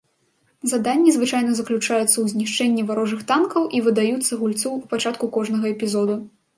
Заданні звычайна заключаюцца ў знішчэнні варожых танкаў і выдаюцца гульцу ў пачатку кожнага эпізоду.